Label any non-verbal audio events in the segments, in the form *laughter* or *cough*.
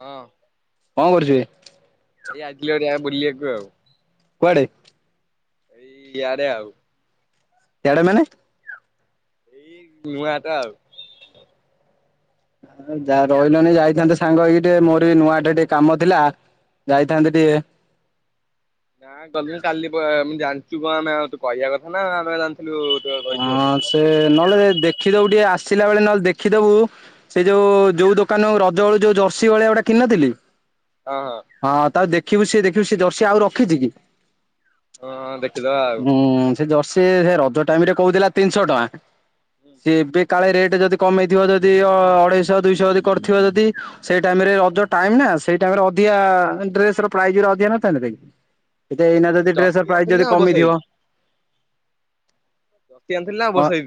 ହଁ। କଣ କରୁଚି? ଭାଇ *unintelligible* ବୁଲିବାକୁ ଆଉ। କୁଆଡ଼େ? ଏଇ ଇଆଡେ ଆଉ। ଇଆଡେ ମାନେ? ଏଇ ନୂଆହାତା ଆଉ। ଯା ରହିଲନି ଯାଇଥାନ୍ତେ ସାଙ୍ଗ ହେଇକି ଟିକେ ମୋର ବି ନୂଆହତା ରେ ଟିକେ କାମ ଥିଲା। ଯାଇଥାନ୍ତେ ଟିକେ। ନାଁ ଗଲିଣି କାଲି ପଳେଇବା ମୁଁ ଜାଣିଚୁ କଣ ଆମେ ଆଉ ତୁ କହିବା କଥା ନା ଆମେ ଜାଣଥିଲୁ ତ କହିଚୁ ବୋଲି। ହଁ ସେ ନହଲେ ଯେ ଦେଖିଦବୁ ଟିକେ ଆସିଲା ବେଳେ ନହଲେ ଦେଖିଦବୁ। ସେଇ ଯୋଉ ଯୋଉ ଦୋକାନରୁ ରଜ ବେଳୁ ଯୋଉ ଜର୍ସି ଭଳିଆ ଗୋଟା କିଣିନଥିଲି। ଅହ। ହଁ ତାକୁ ଦେଖିବୁ ସିଏ ଦେଖିବୁ ସେ ଜର୍ସି ଆଉ ରଖିଛି କି। ହଁ ଦେଖିଦବା ଆଉ ହୁଁ ସେ ଜର୍ସି ସେ ରଜ ଟାଇମରେ କହୁଥିଲା ତିନିଶହ ଟଙ୍କା। ହଁ ସିଏ ଏବେ କାଳେ ରେଟ୍ ଯଦି କମେଇଥିବ ଯଦି ଅ ଅଢେଇଶହ ଦୁଇଶହ ଯଦି କରିଥିବ ଯଦି। ସେଇ ଟାଇମରେ ରଜ ଟାଇମ ନା ସେଇ ଟାଇମ ରେ ଅଧିକା ଡ୍ରେସ ର ପ୍ରାଇଜ ଗୁରା ଅଧିକ ନଥାନ୍ତି କି। ଟିକେ ଏଇନା ହଁ ଯଦି ଡ୍ରେସ୍ ର ଜର୍ସି ପ୍ରାଇଜ୍ ଆଣିଥିଲୁ ନା ଯଦି ଓଭର ସାଇଜ? କମିଥିବ। ଜର୍ସି ଆଣିଥିଲୁ ନା ହଁ ଓଭରସାଇଜ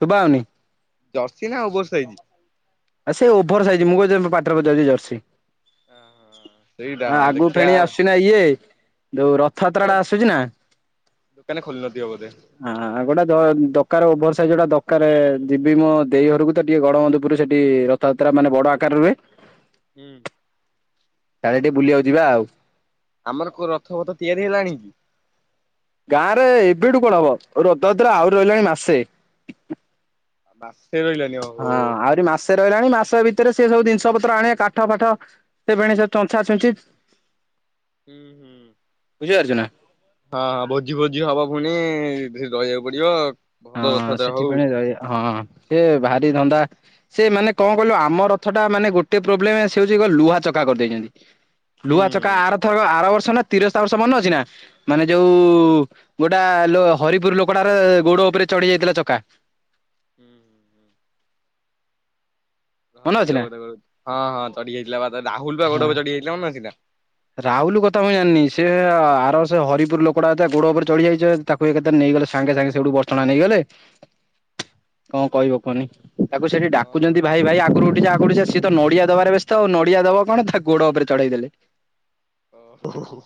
ଶୁଭା ହଉନି ଜର୍ସି ନା ଓଭର ସାଇଜି? ଆ ସେ ଓଭର ସାଇଜି ମୁଁ କହୁଚି ମୋ ପାଟରେ ପସିଯାଉଚି ଜର୍ସି। ସେଇଟା ଆ ହଁ ଆଗକୁ ଦେଖିଆ ଫେଣେ ଆସୁଚିନା ଇଏ ଯୋଉ ର *unintelligible* ଦୋକାନ ଖୋଲି ନଥିବ ବଧେ। ହଁ ଗୋଟା ଦ ଦକାର ଓଭର ସାଇଜ୍ ଗୋଟା ଦକାରେ ଯିବି ମୋ ଦେଇ ଘରୁକୁ ତ ଟିକେ ଗଡବଧୁପୁର ସେ ଠି ରଥଯାତ୍ରା ମାନେ ବଡ ଆକାରରେ ହୁଏ। ହୁଁ। କାଳେ ଟିକେ ବୁଲିିବାକୁ ଯିବା ଆଉ। ଆମର କୋଉ ରଥଫଥ ତିଆରି ହେଲାଣି କି? ଗାଁ ରେ ଏବେଠୁ କଣ ହବ ରଥଯାତ୍ରା ଆହୁରି ରହିଲାଣି ମାସେ। ମାସେ ରହିଲାନି ଓ। ହଁ ଆହୁରି ମା ସେ ରହିଲାଣି ମାସ ଭିତରେ ସେ ସବୁ ଜିନଷ ପତ୍ର ଆଣେ କାଠ ଫାଠ ସେ ଫେଣି ଚଞ୍ଚା ଛୁଞ୍ଚି। *inaudible* ହୁଁ ହୁଁ। ବୁଝିପାରୁଛୁ ନା? ହଁ ହଁ ଭୋଜି ଭୋଜି ହବ ଫୁଣି ରହିବାକୁ ପଡିବ। ଭଲ ହଁ ରଥଯାତ୍ରା ସେଠି ହଉ। ଫୁଣି ରହିବ ହଁ ସେ ଭାରି ଧନ୍ଦା। ସେ ମାନେ କଣ କହିଲୁ ଆମ ରଥଟା ମାନେ ଗୋଟେ ପ୍ରୋବ୍ଲେମ ସେ ହଉଛି ଲୁହା ଚକା କରିଦେଇଚନ୍ତି। ହୁଁ ଲୁହା ଚକା ଆରଥରକ ଆର ବର୍ଷ ନା ତିରସ୍ତା ବର୍ଷ ମନେ ଅଛି ନା? ମାନେ ଯୋଉ ଗୋଟା ଲୋ ହରିପୁରୁ ଲୋକଟାର ଗୋଡ ଉପରେ ଚଢି ଯାଇଥିଲା ଚକା। ହୁଁ ହୁଁ। *unintelligible* ମନେ ଅଛି ନା? ହଁ ହଁ ଚଢିଯାଇଥିଲା ପା ଥରେ ରାହୁଲ ପା ଗୋଡ଼ ଉପରେ ଚଢି ଯାଇଥିଲା ମନେ ଅଛିନା? ରାହୁଲୁ କଥା ମୁଇଁ ଜାଣନି ସେ ଆର ବର୍ଷ ହରିପୁର ଲୋକଟା ତା ଗୋଡ ଉପରେ ଚଢ଼ି ଯାଇଚି ତାକୁ ଏକା ଥରେ ନେଇଗଲେ ସାଙ୍ଗେ ସାଙ୍ଗେ ସେଇଠୁ ବସ ଷ୍ଟାଣ୍ଡ ନେଇଗଲେ କଣ କହିବ କୁହନି। ତାକୁ ସେଠି ହଁ। ଡାକୁଛନ୍ତି ଭାଇ ଭାଇ ଆଗୁରୁ ଉଠିଯା ଆଗୁରୁ ଉଠି ଯା ସେ ତ ନଡିଆ ଦବାରେ ବ୍ୟସ୍ତ ଆଉ ନଡିଆ ଦବ କଣ ତା ଗୋଡ ଉପରେ ଚଢେଇ ଦେଲେ। ଓ ହୋ ହୋ।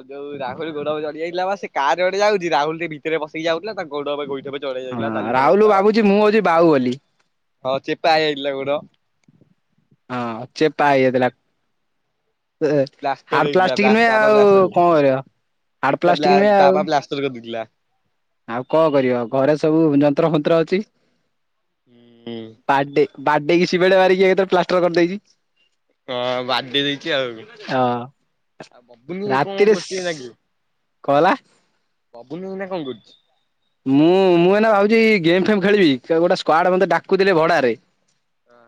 ଆଉ ଯଉ ରାହୁଲ ଗୋଡ ଉପରେ ଚଢି ଯାଇଥିଲା ବା ସେ କାର୍ ଗୋଟେ ଯାଉଛି ରାହୁଲ ସେ ଭିତରେ ବସିକି ଯାଉଥିଲା ତା ଗୋଡ଼ ଉପରେ ଗୋଇଠା ବା ଚଢି ହଁ ଯାଇଥିଲା ଚାଲି ପାରୁନଥିଲା ରାହୁଲୁ ଭାବୁଚି ମୁଁ ହଉଚି ବାଉବଲି। ହଁ ଚେପା ହେଇଯାଇଥିଲା ଗୋଡ। ହଁ ଚେପା ହେଇଯାଇଥିଲା। ପ୍ଲାଷ୍ଟର ହାର୍ଡ ହେଇଥିଲା ତା ପ୍ଲାଷ୍ଟିକ ନୁହେଁ ଆଉ କଣ କରିଅ? ବ୍ଲା ବ୍ଳା ବ୍ଲା ବ୍ଲାଷ୍ଟର କରଦେଇଥିଲା। ଆଉ କଣ କରିବ ଘରେ ସବୁ ଯନ୍ତ୍ର ଫନ୍ତ୍ର ଅଛି। ହୁଁ। ବାଡେ ବାଡେଇକି ସିମେଣ୍ଟ ମାରିକି ଏ ପ୍ଲାଷ୍ଟର କରିଦେଇଚି। ହଁ ବାଡେଇ ଦେଇଚି ଆଉ, ହଁ ଆଉ ବବୁଲୁ କଣ କରୁଚି ନାଇଁକି? କ ହେଲା। ବବୁଲୁ ଏନା କଣ କରୁଚି? ମୁଁ ମୁଁ ଏନା ଭାବୁଚି ଗେମ୍ ଫେମ୍ ଖେଳିବି ଗୋଟେ ସ୍କ୍ଡ ମତେ ଡାକୁଥିଲେ ଭଡାରେ। ହଁ।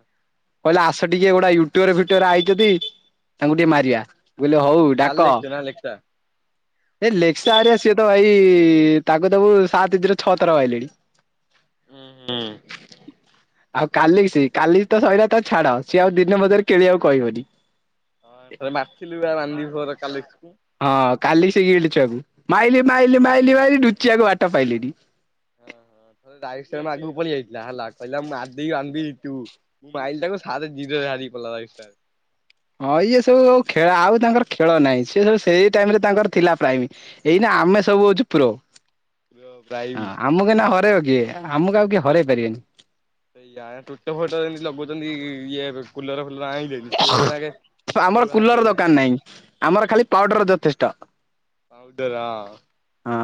କହିଲା ଆସ ଟିକେ ଗୋଟେ ୟୁଟୁବ ଫିୟୁଟବର ଆଇଚନ୍ତି ତାଙ୍କୁ ଟିକେ ମାରିଆ। ମୁଁ କହିଲି ହଉ କାଲି ଡାକ। ଲେଖିଛ ନା ଲେଖିଚ? ଏ ଲେକ୍ସ ହେରିକା ସିଏତ ଭାଇ ତାକୁ ତ ମୁଁ ସାତ ଥୀରେ ଛଅ ଥର ମାଇଲିଣି। ହୁଁ ହୁଁ। ଆଉ କାଲି ସେ କାଲି ତ ସରିଲା ତ ଛାଡ ସି ଆଉ ଦିନ ମଜୁରୀ କିଣିଆକୁ କହିବନି। ହଁ ଥରେ ମାତିଥିଲୁ ଆଉ ରାନ୍ଧି ଫୋର କାଲି ହଁ କାଲି ସେଇ ହେଲା ଛୁଆକୁ ମାଇଲି ମାଇଲି ମାଇଲି ମାଇଲି ଲୁଚିଆକୁ ବାଟ ପାଇଲିନି। ଲାଇଟର ମୁଁ ମାରିକି ପାଳି ଆଇଲୀନା ହେଲା କହିଲା ମାଦି ବାନ୍ଦି ତୁ। ମାଇଲ ଟାକୁ ସାରେ *unintelligible* ହଁ ଇଏ ସବୁ ଆଉ ଖେଳ ଆଉ ତାଙ୍କର ଖେଳ ନାହିଁ ସିଏ ସବୁ ସେଇ ଟାଇମ ରେ ତାଙ୍କର ଥିଲା ପ୍ରାଇମ। ଏଇନା ଆମେ ସବୁ ହଉଛୁ ପ୍ରୋ ପ୍ରାଇମ୍। ହଁ ଆମକୁ ଏନା ହରୋଇବ କିଏ? ଆମକୁ ଆଉ କିଏ ହରେଇ ପାରିବେନି। ଏୟା ତୋଟ ଫୋଟ ଏମିତି ଲଗୁଛନ୍ତି ଇଏ କୁଲର ଫୁଲର ଆଣିଦେ ଆମର କୁଲର ଦରକାର ଯାଇଛନ୍ତି ନାହିଁ ଆମର ଖାଲି ପାଉଡର ଯଥେଷ୍ଟ। ପାଉଡର ହଁ ହଁ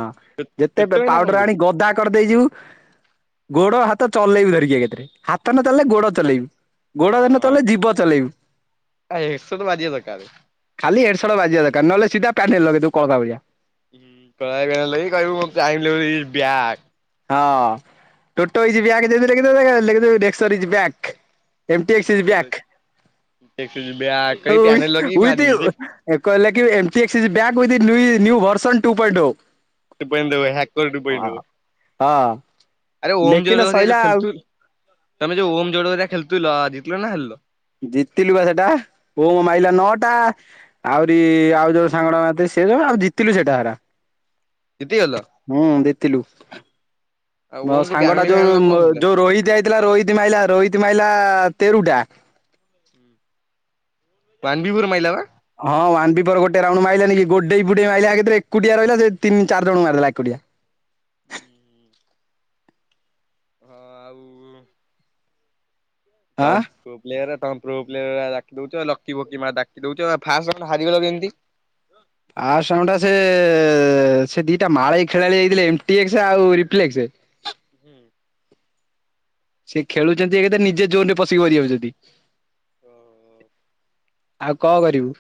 ଯେତେ ଟୋଟୋ ଏଇନା କଣ ପାଉଡର କରୁଚି? ଆଣି ଗଦା କରିଦେଇଯିବୁ ଗୋଡ ହାତ ଚଲେଇବୁ ଧରିକି ଏକାଥରେ ହାତ ନଚଲେଇଲେ ଗୋଡ ଚଲେଇବୁ ଗୋଡ ନ ଚଲେଇଲେ ଜିଭ ଚଲେଇବୁ। ଆ ଏଶ ତ ବାଜିଆ ଦରକାରେ। ଖାଲି ଏଡ୍ଡ ବାଜିବା ଦରକାର ନହଲେ ସିଧା ପନେଲ୍ ଲଗେଇ ଦବୁ କ କା ଭଳିଆ। *unintelligible* ହଁ ଟୋଟୋଇଛି ବ୍ୟାଗ ଯଦି ଲିଦ ଲି ରିକ୍ସ ବ୍ୟାଗ। *unintelligible* ବ୍ୟାକ୍ ହଉ ଉଇଥ୍ ଏକ ହେଲେ କି ଏମ ସି ଏସ ଚିଯି ବ୍ୟାଗ ଉଇଥ୍ ନୂୟି new version two pant two. Two point two ହକର୍ ଟୁ ପଏଣ୍ଟ ଟୁ ହଁ ଆରେ ଓମ୍ ଲେଖିଲେ ହାରିକା ସଇଲା ଯୋଉ ଆଉ ଖେଳୁଥିଲୁ ତମେ ଯୋ ଓମ ଜୋଡରା ଖେଳୁଥିଲ ଆ ଜିତିଲ ନା ହାରିଲ? ଜିତିଲୁ ବା ସେଟା ଓମ୍ ମାରିଲା ନଅଟା ଆହୁରି ଆଉ ଯୋଉ ସାଙ୍ଗ ମାରିଥିଲା ସେ ଜଣେ ଆଉ ଜିତିଲୁ ସେଟା ହେରା। ହୁଁ ଜିତିଲୁ। ମୋ ସାଙ୍ଗ ଟା ଯୋଉ ଯୋଉ ରୋହିତ ହେଇଥିଲା ରୋହିତ ମାଇଲା ରୋହିତ ମାଇଲା ତେରୁଟା। ହୁଁ। ୱାନ ଵି ଫୋର ମାଇଲା ବା। ହଁ ୱାନ ଵି ଫୋର ଗୋଟେ ରାଉଣ୍ଡ ମାରିଲାନି ଗୋଡେଇ ଗୋଡେଇ ମାଇଲା ଏକାଥରେ ଏକୁଟିଆ ରହିଲା ସେ ତିନି ଚାର ଜଣ ମାରିଦେଲା ଏକୁଟିଆ। ହଁ ଆଉ *unintelligible* ଆଁ ପୁଅପିଲାଆରା ତମ ପୁଅ ପିଲା *unintelligible* ଲକି ବକି ମା ଡାକିଦଉଛ ଫାଷ୍ଟ *unintelligible* ଆର୍ ସାଙ୍ଗ ଟା ସେ ସେ ଦିଟା ମାଳାଇ ଖେଳାଳି ହେଇଥିଲେ ଏମଟିଏକ୍ସ ଆଉ ରିଫ୍ଲେକ୍ସ। ହୁଁ। ସେ ଖେଳୁଛନ୍ତି ଏକ ତ ନିଯେ ଜୋନ୍ ରେ ପଶିକି ଗଡ଼ି ଯାଉଛନ୍ତି। ଓ ହୋ। ଆଉ କଣ କରିବୁ।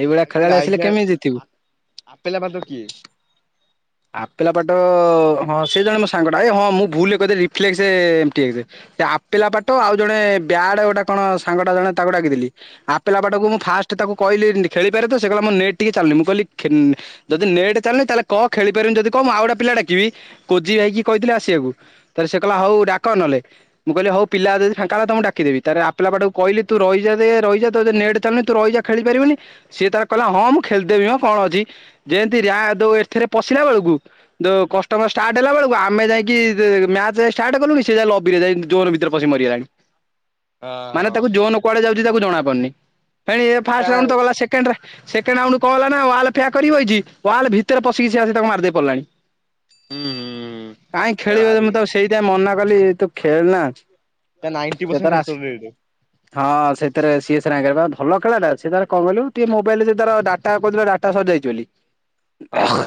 ଏଇଭଳିଆ ଖେଳାଳି ଆସିଲେ କେମିତି ଜିତିବୁ? *unintelligible* ଆପେଲା ପାଟ ହଁ ସେ ଜଣେ ମୋ ସାଙ୍ଗଟା ଏ ହଁ ମୁଁ ଭୁଲରେ କହିଦେଲି ରିଫ୍ଲେକ୍ସେ ଏମ୍ପି ଏ। *unintelligible* ଆପିଲାପାଟ ଆଉ ଜଣେ ବ୍ୟାଡ଼ ଗୋଟେ କଣ ସାଙ୍ଗଟା ଜଣେ ତାକୁ ଡାକିଦେଲି ହଁ ଆପିଲାପାଟକୁ ମୁଁ ଫାଷ *unintelligible* ଖେଳି ପାରିବୁନି ଯଦି କହ ମୁଁ ଆଉ ଗୋଟେ ପିଲା ଡାକିବି କୋଜି ଭାଇକି କହିଥିଲେ ଆସିବାକୁ। ତାରେ ସେ କହିଲା ହଉ ଡାକ ନହଲେ। ମୁଁ କହିଲି ହଉ ପିଲା ଯଦି ଫାଙ୍କା ହେଲା ତମକୁ ଡାକିଦେବି ତାରେ ଆପେଲାପଟକୁ କହିଲି ତୁ ରହିଜା ରହି *unintelligible* ଖେଳି ପାରିବିନି ସିଏ ତାର କହିଲ ହଁ ମୁଁ ଖେଳିଦେବି ମ କଣ ଅଛି ଯେମିତି ରା ଦଉ ଏଥି ରେ ପଶିଲା ବେଳକୁ ଯୋଉ କଷ୍ଟମସ ଷ୍ଟାର୍ଟ ହେଲା ବେଳକୁ ଆମେ ଯାଇକି ମ୍ୟାଚ ଷ୍ଟାର୍ଟ କଲୁଣି ସେ ଯାଇ ଲବିରେ ଜାଇକି ଜୋନ ଭିତରେ ପଶି ମରିଗଲାଣି। ମାନେ ତାକୁ ଯୋନ କୁଆଡ଼େ ଯାଉଛି ତାକୁ ଜଣା ପଡ଼ୁନି କାଇଁ ହଁ ଫାଷ୍ଟ ତା ରାଉଣ୍ଡ ତ ଗଲା ସେ କଣ ହେଲାନାଁ ୱାଲ୍ ପ୍ୟାକ କରିଛି ବଇଚି ୱାଲ୍ ଭିତରେ ପଶିକି ସେ ଅସିକୀ ତାକୁ ମାରି ଦେଇକି ପଳେଇଲାଣି। କାହିଁ ଖେଳିବ ମୁଁ ତାକୁ ସେଇଥିପାଇଁ ମନା କଲି ତୁ ଖେଳେ ନା। ତା ନାଇଣ୍ଟି ପରସେନ୍ଟ *unintelligible* ହଁ ସେଥିରେ ସିଏ ସିନା *unintelligible* ଭଲ ଖେଳଟା ସିଏ ତାର କଣ କହିଲୁ ଟିକେ ମୋବାଇଲରେ ଜଉ ତାର ଡା ଟା କହୁଥିଲେ ଡାଟା ସରିଯାଇଛି ବୋଲି। ହଁ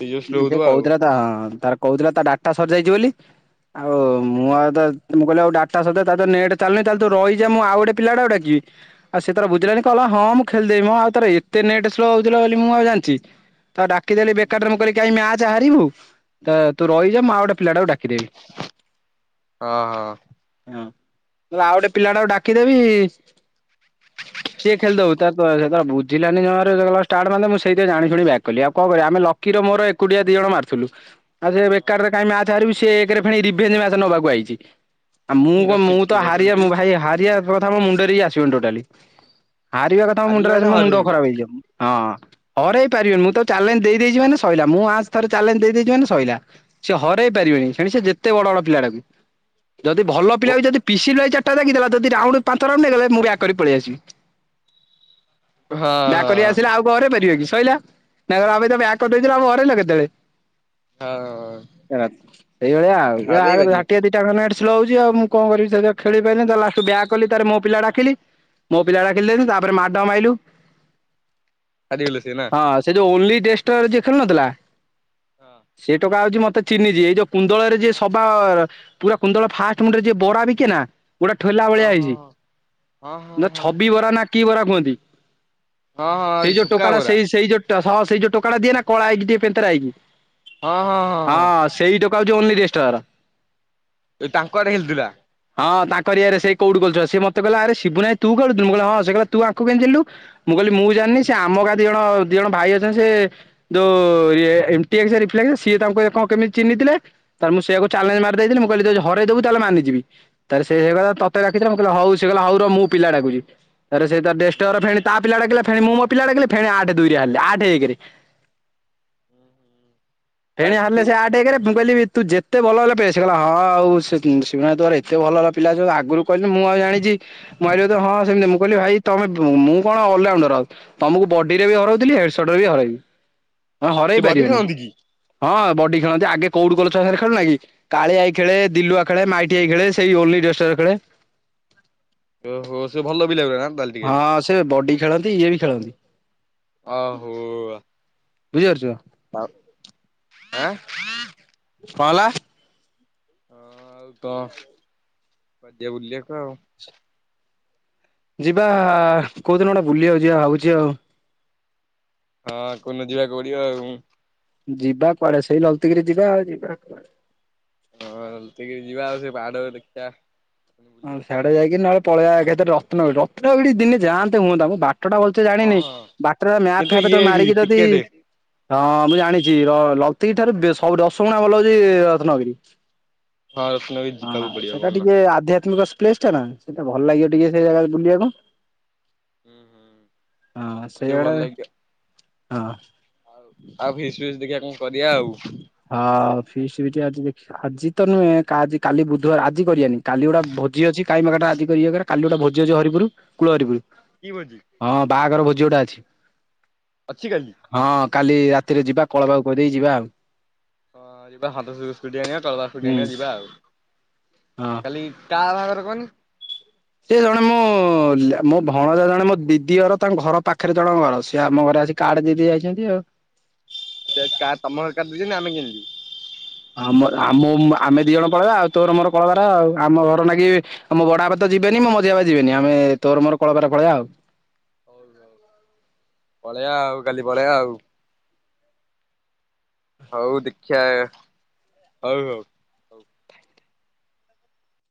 ଏଇ ଯୋଉ ସ୍ଲୋ ହଉଥିବ ଆଉ। ତାର କହୁଥିଲା ତା ଡାଟା ସରିଯାଇଛି ବୋଲି ଆଉ ମୁଁ ଆଉ ତା ମୁଁ କହିଲି ଆଉ ଡାଟା *unintelligible* ତାର ତ ନେଟ୍ ଚାଲୁନି ତାହେଲେ ତୁ ରହି ଯା ମୁଁ ଆଉ ଗୋଟେ ପିଲାଟାକୁ ଡାକିଵି। ଆଉ ସେ ତାର ବୁଝିଲାଣି କହିଲା ହଁ ମୁଁ ଖେଳିଦେବି ମ ଆଉ ତାର ଏତେ ନେଟ ସ୍ଲୋ ହଉଥିଲା ବୋଲି ମୁଁ ଆଉ ଜାଣିଛି। ତାକୁ ଡାକିଦେଲି ବେକାରଟାରେ ମୁଁ କହିଲିକାଇଁ ମ୍ୟାଚ୍ଚ ହାରିବୁ ତୁ ରହିିବ ମୁଁ ଆଉ ଗୋଟେ ପିଲାକୁ ଡକିବି। *inaudible* ହଁ ହଁ। ମୁଁ ଆସିଆଉ ଗୋଟେ ପିଲା ଟାକୁ ଡାକିଦେବି। ସିଏ ଖେଳିଦଉ ତାର ତ ସେଟା ବୁଝିଲାନି *unintelligible* କହଲି ଆଉ କଣ କରିବା ଆମେ ଲକିର ମୋର ଏକୁଟିଆ ଦି ଜଣ ମାରୁଥିଲୁ। ଆଉ ସେ ବେକାର୍ ରେ କାଇଁ ମ୍ୟାଚ ହାରିବୁ ସେ ଏକରେ ଫେଣି ରିଭେଯେ ମ୍ୟାଚ ନବାକୁ ଆଇଛି। ଆଉ ମୁଁ ଲକି କଣ ମୁଁ ସିକ୍ସ ତ ଫିଗର ହାରିବା ଖେଳୁଛି ମୁଁ ଭାଇ ହାରିିବା କଥା ମୋ ମୁଣ୍ଡରେ ହି ଆସିବନି ଟୋଟାଲି। ହାରିବା କଥା ମୋ ହାରିଲି ମୁଣ୍ଡରେ ମାନେ ମୋ ମୁଣ୍ଡ ହରେଇବୁ। ଖରାପ ହେଇଯିବ ହଁ ହରେଇ ପାରିବନି ମୁଁ ତ ଚାଲେଞ୍ଜ ଦେଇଦେଇଛି ମାନେ ସଇଲା ମୁଁ ଆଞ୍ଚ ଥରେ ଚାଲେଞ୍ଜ ଦେଇଦେଇଛି ମାନେ ସଇଲା। ସେ ହରେଇ ପାରିବେନି ସେଣି ସେ ଯେତେ ବଡ଼ବଡ଼ ପିଲାଡାକୁ ଯଦି ଭଲ ଓ ପିଲା ବି ଯଦି ପିଶି *unintelligible* ଡାକିଦେଲା ଯଦି ରାଉଣ୍ଡ ପାଞ୍ଚ ରାଉଣ୍ଡ ହେଇଗଲେ ମୁଁ ବ୍ୟାକ କରିକି ପଳେଇ ଆସିବି। ହଁ ହଁ। ବ୍ୟାକ୍ କରିକି ଆସିଲେ ଆଉ କଣ ହରେଇ ପାରିବେ କି ସଇଲା ନାମ ତ ବ୍ୟାକ କରିଦେଇଥିଲୁ ଆମକୁ ହରେଇଲ କେତେବେଳେ। ହଁ ହଁ ଏଇଭଳିଆ ଆଉ *unintelligible* *unintelligible* ହରେଇବାକି ମୋ ପିଲା ଡାକିଲି ଯେମିତୀ ତାପରେ ମାଡ ମାଇଲୁ। ହାରିଗଲେ ସେ ନା? ହଁ ସେ ଯୋଉ ଓଁଲି ଡେଷ୍ଟର ଯିଏ ଖେଳୁନଥିଲା ସେ ଟୋକା ଆଉଛି ମତେ ଚିହ୍ନିଚି ଏଇ ଯୋଉ କୁନ୍ଦଳରେ ଯିଏ ସବା ପୁରା କୁନ୍ଦଳ ଫାଷ୍ଟ ମୁଣ୍ଡରେ ଯିଏ ବରା ବିିକେ ନା। ଗୋଟେ ଠୋଲା ଭଳିଆ ହଁ ହଁ ହେଇଛି ହଁ ହଁ ନା ହଁ ଛବି ବରା ନା କି ବରା କୁହନ୍ତି। ହଁ ହଁ ସେଇ ଯୋଉ ସୁକା ଟୋକା ଟା ବରା ସେଇ ସେଇ ଯୋଉ ସହ ସେଇ ଯୋଉ ଟୋକାଟା ଦିଏ ନା କଳା ହେଇକି ଦିଏ ପେନ୍ଥେରା ହେଇକି। ହଁ ହଁ ହଁ ହଁ। ସେଇ ଟୋକା ହଉଛି ଓନିଜେଷ୍ଟାର। ଏ ତାଙ୍କ ଆଆଡେ ହେଲଥିଲା। ହଁ ତାଙ୍କରିୟଆରେ ସେ କୋଠୁ ସେ ମତେ କହିଲା ଆରେ ଶିବୁନା ଭାଇ ତୁ ଖେଳୁଥିଲୁ, ମୁଁ କହିଲି ହଁ ସେ କହିଲ ତୁ ଆଙ୍କୁ କେମିତି ଚିହ୍ନିଲୁ? ମୁଁ କହିଲି ମୁଁ ଜାଣିନି ସେ ଆମ ଗାଦି ଜଣ ଦି ଜଣ ଭାଇ ଅଛନ୍ତି ସେ ଯୋଉ ଇଏ ଏ ମ୍ ଟିଆଇ ସିଏ ଏ ରିପ୍ଲାଇ ଦେ ସିଏ ତାଙ୍କୁ କଣ କେମିତି ଚିହନିଥିଲେ। ତା ମୁଁ ସେୟକୁ ଚାଲେ୍ଜ ମାରି ଦେଇଥିଲି ମୁଁ କହିଲି ଯଦି ହରେଇଦଵୁ ତାହେଲେ ମାନିିଯିବି। ତାରେ ସେହେଇଗଲା ତତେ ଡାକିଥିଲା ମୁଁ କହିଲି ହଉ ସେ କହିଲା ହଉ ରହ ମୁଁ ପିଲା ଡାକୁଛି। ତାରେ ସେଇ ତ ଡେଷ୍ଟର ଫେଣି ତା ପିଲା ଡାକିଲା ଫେଣି ମୁଁ ମୋ ପିଲା ଡାକିଲାି ଫେଣି ଆଠ ଦୁଇରେ ହାରିଲେ ଆଠେ ଏକେରେ। ହୁଁ ହୁଁ ଫେଣି ହାଲେ ସେ ଆଠେ ଏକରେ ମୁଁ କହିଲି ତୁ ଯେତେ ଏତେ ଭଲ ହେଲା ପେସେ ସେ କହିଲା ଆଉ ସେ ସୀମାୟତ ମାନେ ଏତେ ଭଲ ପିଲା ଅଛନ୍ତି ଆଗରୁ କହିଲୁନି ମୁଁ ଆଉ ଜାଣିଛି। ମୁଁ ଆଇଲେ ତ ହଁ ସେମିତି ମୁଁ କହିଲି ଭାଇ ତମେ ମୁଁ କଣ ଅଲଆଉଣ୍ଡର ଆଉ। ତମକୁ ବଡି ରେ ବି ହରଉଥିଲି ହେଡସଡ ରେ ବି ହରେଇବି ହଁ ସେ ହରେଇ ବଡି ପାରିବେନି। ଖେଳନ୍ତି କି ହଁ ବଡି ଖେଳନ୍ତି ଆଗେ କୋଉଠୁ ଗଲେଛ ସ ଖେଳୁନା କି? କାଳିଆଇ ଖେଳେ ଦିଲୁଆ ଖେଳେ ମାଇଟି ଆଇ ଖେଳେ ସେଇ ଓଲିଡେଷ୍ଟର ଖେଳେ। ଓହୋ ସେ ଭଲ ବି ଲାଗୁ ନା। ତାହେଲେ ଟିକେ ହଁ ସେ ବଡି ଖେଳନ୍ତି ଇଏ ବି ଖେଳନ୍ତି। ଅହୋ। ବୁଝିପାରୁଛ? ଆ ପ୍ ଆଁ କଣ ହେଲା? ହଁ ଆଉ ତ ବାଦିଆ ବୁଲିବାକୁ ଆଉ। ଯିବା କୋଉଦିନ ଗୋଟେ ବୁଲିିବାଉ ଯିବା ଭାବୁଛି ଆଉ। ହଁ କନ ଯିବାକୁ ପଡିବ ଆଉ। ଯିବା କୁଆଡେ ସେଇ ଲଲିତଗିରି ଯିବା ଆଉ ଯିବା କୁଆଡେ। ହଁ ଟିକେ ଯିବା ଆଉ ସେ ପାହାଡ ଦେଖିବା। ଆଉ ବୁଲିକି ଆସିବା ସେଆଡେ ଯାଇକି ନହେଲେ ପଳେଇବାଆଗେତରେ ରତ୍ନବୀ ରତ୍ନବିଡି ଦିନେ ଯାଆନ୍ତେ ହୁଅତା ମ ବାଟଟା ଭଲ ତେ ହଁ ଜାଣିନି ହଁ। ବାଟରେ ମ୍ୟାପ୍ କିନ୍ତୁ ଫ୍ୟାପ ତ ଇଏ ବି ମାରିକି ଦଦି ଟିକେଟେ ହଁ ମୁଁ ଜାଣିଛି ଲ ଲତିକି ଠାରେ ଦେ ସବୁ ଦଶଗୁଣା ଭଲ ହଉଛି ରତ୍ନଗିରି। ହଁ ରତ୍ନଗିରି ହଁ ଯିବାକୁ ପଡିବ ସେଟା କୋଉଦିନ। ଟିକେ ଆଧ୍ୟା *unintelligible* ପ୍ଲେସ ଟା ନା ସେଇଟା ଭଲ ଲାଗିବ ଟିକେ ହୁଁ ସେ ଜାଗା ବୁଲିବାକୁ। ହୁଁ ହୁଁ ହଁ ଯୋଉ ସେଇଆଡେ ଭଲ ଲାଗିବ ହଁ। ଆଉ ଆଉ ଫିସ୍ ଫିସ୍ ଦେଖିବା କଣ କରିବା ଆଉ। ହଁ ଫିସ୍ ବି ଟିକ ଆଜି ଦେଖି ଆଜି ତ ନୁହେଁ କା ଆଜି କାଲି ବୁଧବାର ଆଜି କରିବାନି କାଲି ଗୋଟା ଭୋଜି ଅଛି କାଇଁବେକାର ଟା ଆଜି କରିବା କ କାଲି ଗୋଟେ ଭୋଜି ଅଛି ହରିପୁର, କୂଳ ହରିପୁରୁ। କି ଭୋଜି? ହଁ ବାହାଘର ଭୋଜି ଗୋଟା ଅଛି। ଅଛିି କାଲି ହଁ କାଲି ରାତିରେ ଯିବା, କଳବାହୁ କହିଦେଇ ଯିବା ଆଉ। ହଁ ଯିବା ସନ୍ତ ସ୍କୁଟି ଆଣିବା ହୁଁ *unintelligible* ଯିବା ହଁ। ଆଉ କାଲି କାବାହାଘର କଇଁନି? ସିଏ ଜଣେମୋ ମୋଭଉଣଜା ଜଣେ ମୋ ଦିଦି ଘର ତାଙ୍କ ଘର ପାଖରେ ଜଣ ଘର ସିଏ ଆମ ଘରେ ଆସିକି କାର୍ଡ ଦେଇ ଦେଇ ଯାଇଚନ୍ତି ଆଉ। ସେକାର୍ଡ ତମର କାଟିଚିନା ଆମେ କେମିତି ଯିମୁ। ଆମ ଆମ ଆମେ ଦିଜଣ ପଳେଇବା ଆଉ ତୋର ମୋର କଳକାରାର ଆଉ ଆମ ଘର ନାଗି ଆମୋ ବାଡ଼ାବାପାତ ଯିବେନି ମୋ ମଝିଆବାପା ଯିବେନି ଆମେ ତୋର ମୋର କଳାକାର ପଳେଆ ଆଉ। ହୋଲ୍ ଯାଉନ ପଳେଇବା ଆଉ କାଲି ପଳେଇବା ଆଉ। ହଉ ଦେଖିଆ ହଉ ହଉ।